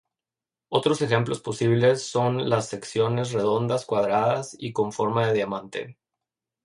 Otros ejemplos posibles son las secciones redondas, cuadradas, y con forma de diamante.